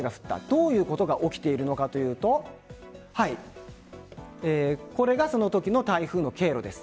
どういうことが起きているのかというとこれがそのときの台風の経路です。